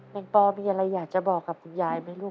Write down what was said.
งปอมีอะไรอยากจะบอกกับคุณยายไหมลูก